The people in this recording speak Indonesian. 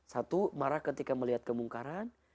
satu marah ketika melihat kemungkaran